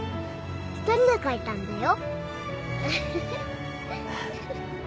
２人で書いたんだよ。